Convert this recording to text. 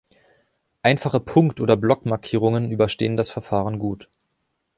Einfache Punkt- oder Blockmarkierungen überstehen das Verfahren gut.